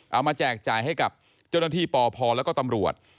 แจกจ่ายให้กับเจ้าหน้าที่ปพแล้วก็ตำรวจ